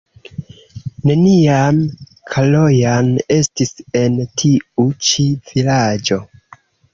Neniam Kalojan estis en tiu ĉi vilaĝo.